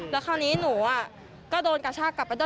แล้วคราวนี้หนูก็โดนกระชากกลับไปด้วย